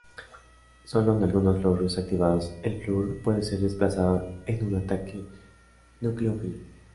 Sólo en algunos fluoruros activados el flúor puede ser desplazado en un ataque nucleófilo.